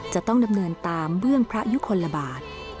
จะต้องดำเนินตามเบื้องพระยุคลบาท